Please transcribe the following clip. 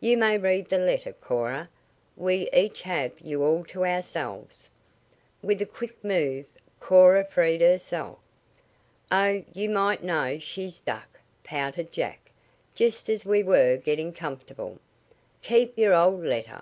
"You may read the letter, Cora. We each have you all to ourselves." With a quick move Cora freed herself. "Oh, you might know she'd duck," pouted Jack, "just as we were getting comfortable. Keep your old letter.